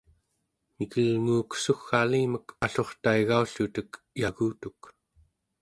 mikelnguuk sugg'alimek allurtaigaullutek yagutuk